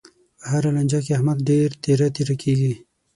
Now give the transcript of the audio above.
په هره لانجه کې، احمد ډېر تېره تېره کېږي.